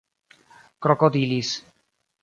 krokodilis